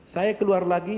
saya keluar lagi